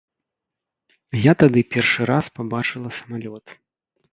Я тады першы раз пабачыла самалёт.